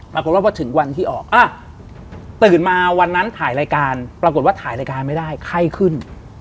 ปรากฏว่าพอถึงวันที่ออกตื่นมาวันนั้นถ่ายรายการปรากฏว่าถ่ายรายการไม่ได้ไข้ขึ้น